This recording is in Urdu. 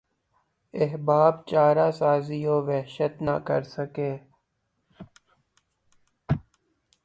احباب چارہ سازی وحشت نہ کرسکے